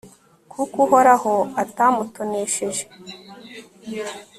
kuko uhoraho atamutonesheje